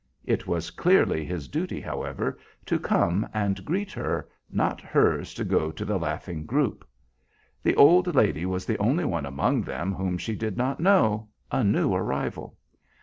It was clearly his duty, however, to come and greet her, not hers to go to the laughing group. The old lady was the only one among them whom she did not know, a new arrival.